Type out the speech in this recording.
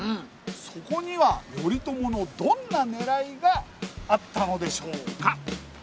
そこには頼朝のどんな狙いがあったのでしょうか？